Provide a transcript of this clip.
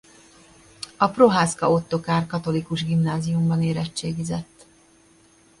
A Prohászka Ottokár Katolikus Gimnáziumban érettségizett.